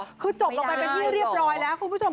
คือจบลงไปเป็นที่เรียบร้อยแล้วคุณผู้ชม